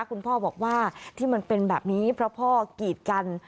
คุณพ่อบอกว่าที่มันเป็นแบบนี้เพราะพ่อกีดกัน